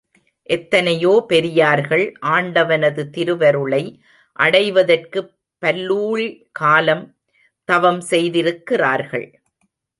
எத்தனையோ பெரியார்கள் ஆண்டவனது திருவருளை அடைவதற்குப் பல்லூழி காலம் தவம் செய்திருக்கிறார்கள்.